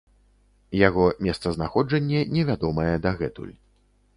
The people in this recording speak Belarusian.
Яго месцазнаходжанне невядомае дагэтуль.